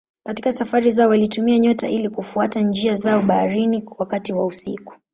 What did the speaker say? Katika safari zao walitumia nyota ili kufuata njia zao baharini wakati wa usiku.